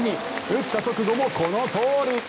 打った直後もこのとおり。